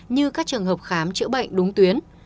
như các trường hợp khám chữa bệnh đúng tuyến